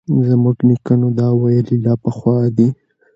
زموږ نیکونو دا ویلي له پخوا دي